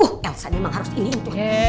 oh elsa memang harus ini gitu